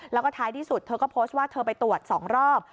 แล้วก็ใจที่สุดเธอไปตรวจ๒รอบ